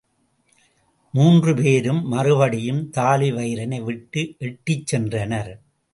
மூன்று பேரும் மறுபடியும் தாழிவயிறனை விட்டு எட்டிச் சென்றனர்.